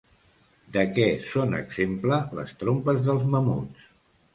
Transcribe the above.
De què són exemple les trompes dels mamuts?